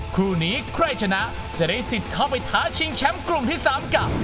คู่นี้ใครชนะจะได้สิทธิ์เข้าไปท้าชิงแชมป์กลุ่มที่๓กับ